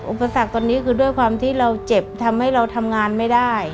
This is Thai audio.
อุปสรรคตอนนี้คือด้วยความที่เราเจ็บทำให้เราทำงานไม่ได้